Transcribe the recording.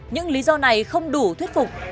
những lý do này không đủ thuyết phục